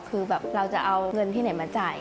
คือแบบเราจะเอาเงินที่ไหนมาจ่าย